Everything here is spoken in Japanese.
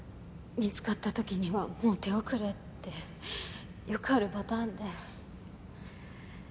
見つかった時にはもう手遅れってよくあるパターンで。